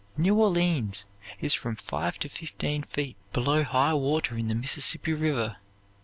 New Orleans is from five to fifteen feet below high water in the Mississippi River.